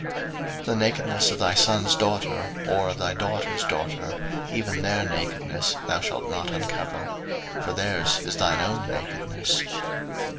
03:018:010 The nakedness of thy son's daughter, or of thy daughter's daughter, even their nakedness thou shalt not uncover: for theirs is thine own nakedness.